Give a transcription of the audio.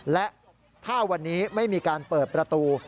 และถ้าวันนี้ไม่มีการเปิดประตู